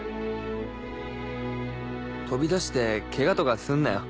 飛び出してケガとかすんなよ。